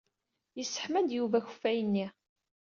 Yesseḥma-d Yuba akeffay-nni.